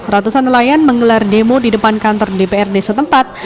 ratusan nelayan menggelar demo di depan kantor dprd setempat